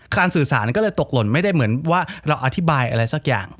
สื่อสารก็เลยตกหล่นไม่ได้เหมือนว่าเราอธิบายอะไรสักอย่าง